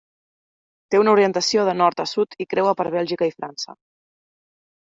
Té una orientació de nord a sud i creua per Bèlgica i França.